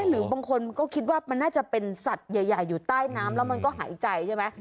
หรือบางคนก็คิดว่ามันน่าจะเป็นสัตว์ใหญ่อยู่ใต้น้ำแล้วมันก็หายใจใช่ไหม